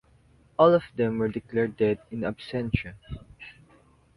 All of them were declared dead "in absentia".